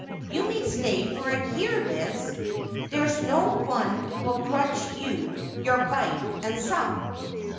You may stay for a year, Liz. There's no one will grudge you your bite and sup.'